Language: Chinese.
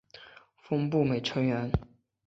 峰步美成员。